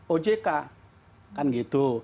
ojk kan gitu